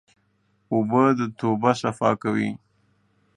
اوبه د توبه صفا کوي.